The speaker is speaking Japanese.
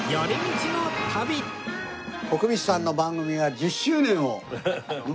徳光さんの番組が１０周年を迎えられて。